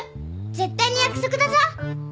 絶対に約束だぞ！